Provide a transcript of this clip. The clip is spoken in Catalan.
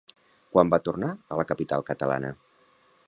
Quan va tornar a la capital catalana?